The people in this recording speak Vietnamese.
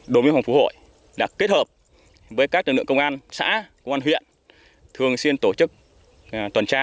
đối với phòng phú hội đã kết hợp với các lực lượng công an xã công an huyện thường xuyên tổ chức tuần tra